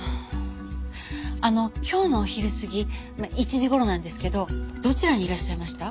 あの今日のお昼過ぎ１時頃なんですけどどちらにいらっしゃいました？